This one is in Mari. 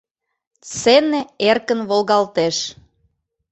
Сцене эркын волгалтеш.